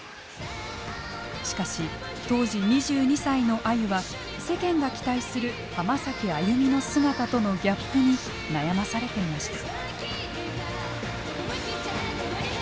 しかし当時２２歳のあゆは世間が期待する「浜崎あゆみ」の姿とのギャップに悩まされていました。